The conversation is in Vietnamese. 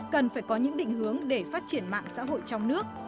cần phải có những định hướng để phát triển mạng xã hội trong nước